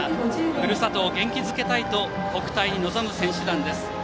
ふるさとを元気づけたいと国体に臨む選手団です。